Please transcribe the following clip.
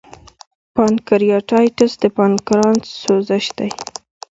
د پانکریاتایټس د پانکریاس سوزش دی.